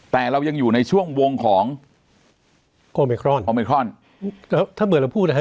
แต่เรายังอยู่ในช่วงวงของโอเมครอนโอมิครอนก็ถ้าเหมือนเราพูดนะฮะ